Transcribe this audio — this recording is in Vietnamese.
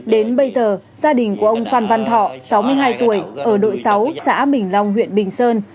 đến bây giờ gia đình của ông phan văn thọ sáu mươi hai tuổi ở đội sáu xã bình long huyện bình sơn